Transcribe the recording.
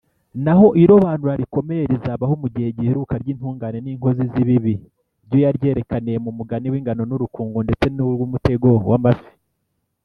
naho irobanura rikomeye rizabaho mu gihe giheruka ry’intungane n’inkozi z’ibibi ryo yaryerekaniye mu mugani w’ingano n’urukungu ndetse n’uw’umutego w’amafi